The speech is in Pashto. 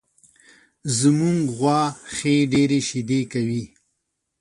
زمونږ غوا ښې ډېرې شیدې کوي